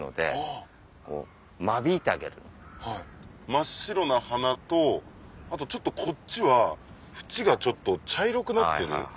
真っ白な花とあとちょっとこっちは縁がちょっと茶色くなってる。